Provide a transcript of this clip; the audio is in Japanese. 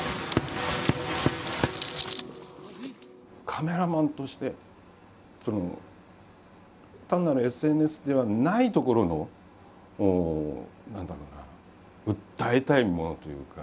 カメラマンとして単なるＳＮＳではないところの何だろうな訴えたいものというか違いというかな。